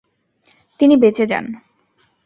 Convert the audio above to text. তিনি বেঁচে যান।